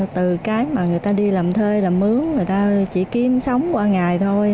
từ cái mà người ta đi làm thuê làm mướn người ta chỉ kiếm sống qua ngày thôi